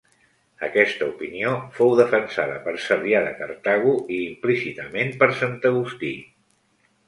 Aquesta opinió fou defensada per Cebrià de Cartago i implícitament per sant Agustí.